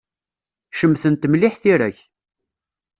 Cemtent mliḥ tira-k.